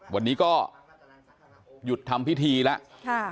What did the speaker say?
วันนี้ก็หยุดทำพิธีแล้ว